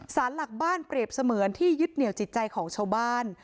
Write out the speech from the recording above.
สารหลักบ้านเปรียบเสมือนที่ยึดเหนียวจิตใจของชาวบ้าน